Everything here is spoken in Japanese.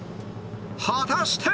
果たして！？